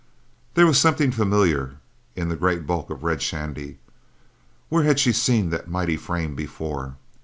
There was something familiar in the great bulk of Red Shandy; where had she seen that mighty frame before?